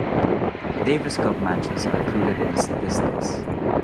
Davis Cup matches are included in the statistics.